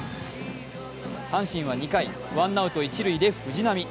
阪神は２回、ワンアウト一塁で藤浪。